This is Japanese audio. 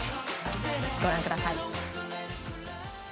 ご覧ください。